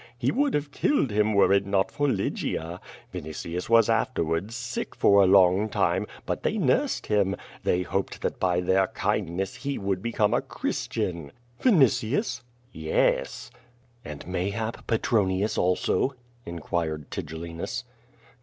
He would have killed him, M'cre it not for Lygia. Vinitius was after wards sick for a long time, but they nursed him, they hopeid that by their kindness he would become a Christian." "Vinitius?" 'T^es.^ "And mayhap Petronius also?" inquired Tigellinus.